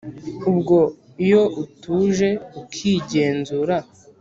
ubwo iyo utuje ukigenzura